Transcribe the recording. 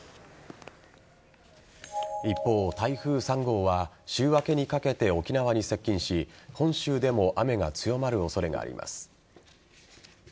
一方、台風３号は週明けにかけて沖縄に接近し本州でも雨が強まる恐れがあります。